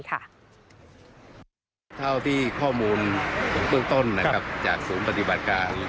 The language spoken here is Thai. เท่าที่ข้อมูลเบื้องต้นนะครับจากศูนย์ปฏิบัติการ